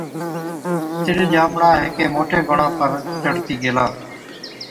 تِڏ ڄامڙا هيڪي موٽي بڻا پر چڙهتِي گيلا،